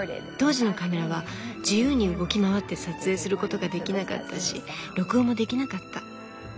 当時のカメラは自由に動き回って撮影することができなかったし録音もできなかった。